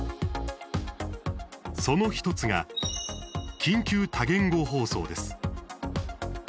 その１つが、緊急多言語放送です。